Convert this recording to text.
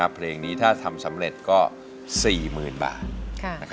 เพลงนี้ถ้าทำสำเร็จก็๔๐๐๐บาท